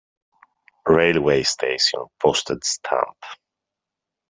Railway station Postage stamp.